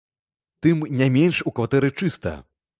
Тым не менш, у кватэры чыста.